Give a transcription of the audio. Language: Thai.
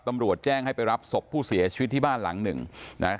ตำรวจแจ้งให้ไปรับศพผู้เสียชีวิตที่บ้านหลังหนึ่งนะฮะ